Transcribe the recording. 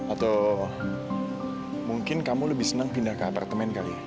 atau mungkin kamu lebih senang pindah ke apartemen kali ya